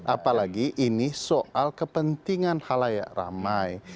apalagi ini soal kepentingan halayak ramai